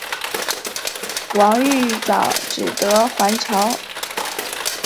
王玉藻只得还朝。